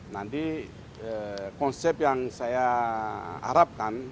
nanti konsep yang saya harapkan